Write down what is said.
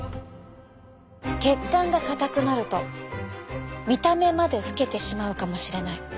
血管が硬くなると見た目まで老けてしまうかもしれない。